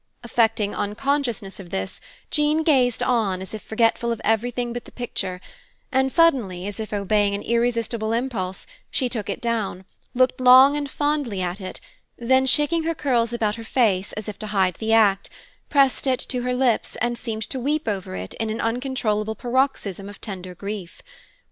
Affecting unconsciousness of this, Jean gazed on as if forgetful of everything but the picture, and suddenly, as if obeying an irresistible impulse, she took it down, looked long and fondly at it, then, shaking her curls about her face, as if to hide the act, pressed it to her lips and seemed to weep over it in an uncontrollable paroxysm of tender grief.